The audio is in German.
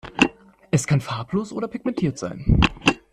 Es kann farblos oder pigmentiert sein.